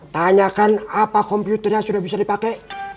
tanyakan apa komputernya sudah bisa dipakai